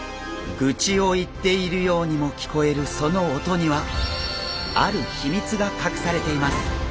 グチを言っているようにも聞こえるその音にはある秘密が隠されています！